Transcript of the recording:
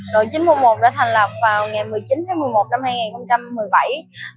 đội chín một một đã thành lập vào ngày một mươi chín một mươi một hai nghìn một mươi bảy